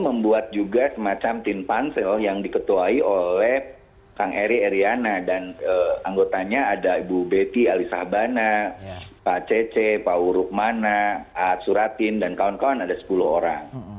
nah dari tiga cara itu sebenarnya emil sudah harus mencari penyelesaian